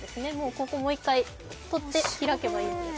ここをもう一回とって開けばいいんです。